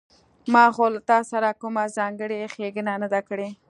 ما خو له تاسره کومه ځانګړې ښېګڼه نه ده کړې